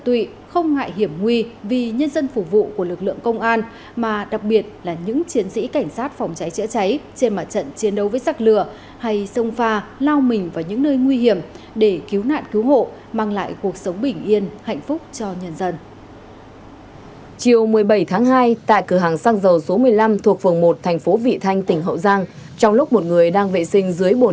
thì chúng tôi vừa đưa nạn nhân lên